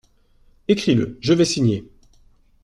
Écris-le, je vais signer.